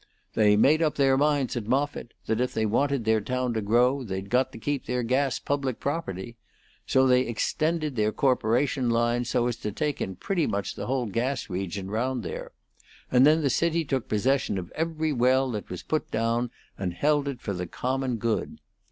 They made up their minds at Moffitt that if they wanted their town to grow they'd got to keep their gas public property. So they extended their corporation line so as to take in pretty much the whole gas region round there; and then the city took possession of every well that was put down, and held it for the common good.